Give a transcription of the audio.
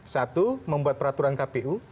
satu membuat peraturan kpu